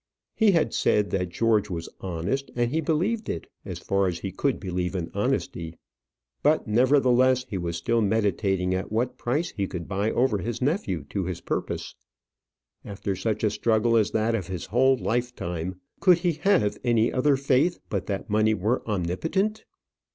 He had said that George was honest, and he believed it, as far as he could believe in honesty. But, nevertheless, he was still meditating at what price he could buy over his nephew to his purpose. After such a struggle as that of his whole lifetime, could he have any other faith but that money were omnipotent?